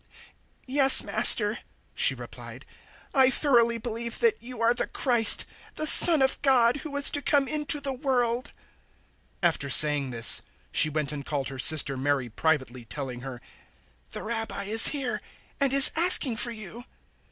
011:027 "Yes, Master," she replied; "I thoroughly believe that you are the Christ, the Son of God, who was to come into the world." 011:028 After saying this, she went and called her sister Mary privately, telling her, "The Rabbi is here and is asking for you."